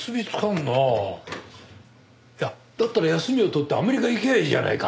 あっだったら休みを取ってアメリカ行きゃあいいじゃないか。